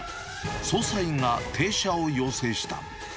捜査員が停車を要請した。